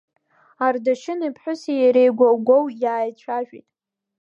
Ардашьын иԥҳәыси иареи гәоу-гәоу иааицәажәеит.